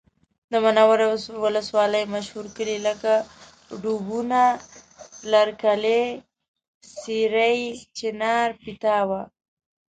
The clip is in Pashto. د منورې ولسوالۍ مشهور کلي لکه ډوبونه، لرکلی، سېرۍ، چینار، پیتاو